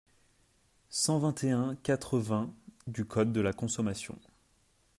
cent vingt et un-quatre-vingts du code de la consommation.